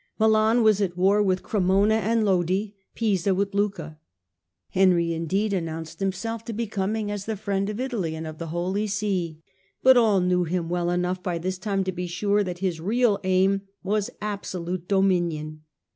Milan was at war with lert Greinona and Lodi, Pisa with Lucca. Henry indeed 3 ii announced himself to be coming as the friend of Italy K and of the Holy See, but all knew him well enough y by this time to be sure that his real aim was absolute dominion.